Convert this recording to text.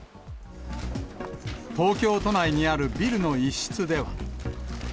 東京都内にあるビルの一室では。